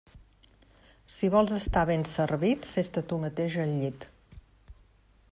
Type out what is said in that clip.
Si vols estar ben servit, fes-te tu mateix el llit.